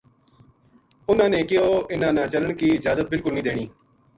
اُنھاں نے کہیو اِنھا ں نا چلن کی اجازت بالکل نیہہ دینی